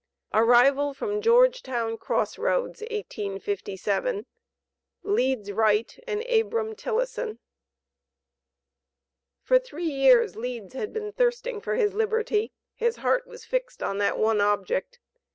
ARRIVAL FROM GEORGETOWN CROSS ROADS, 1857. LEEDS WRIGHT AND ABRAM TILISON. For three years Leeds had been thirsting for his liberty; his heart was fixed on that one object.